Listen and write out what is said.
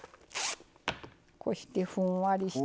こうしてふんわりして。